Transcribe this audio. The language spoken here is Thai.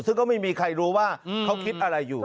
ซึ่งก็ไม่มีใครรู้ว่าเขาคิดอะไรอยู่